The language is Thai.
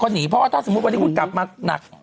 เขาหนีเพราะว่าวันนี้คุณกลับมาหนัก